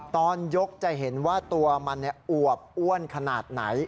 ตอนยกจะเห็นว่าตัวมันอวบอ้วนขนาดไหน